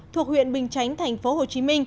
thuộc huyện bình chánh tp hcm